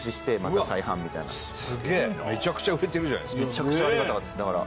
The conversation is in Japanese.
めちゃくちゃありがたかったですだから。